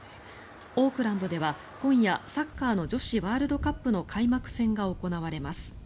オークランドでは今夜サッカーの女子ワールドカップの開幕戦が行われます。